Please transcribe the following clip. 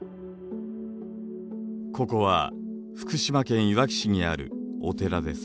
ここは福島県いわき市にあるお寺です。